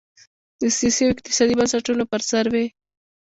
د سیاسي او اقتصادي بنسټونو پر سر وې.